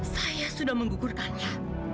saya sudah menggugurkannya